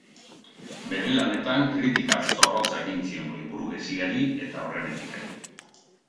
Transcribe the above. Bere lanetan kritika zorrotza egin zion goi-burgesiari eta horren etikari.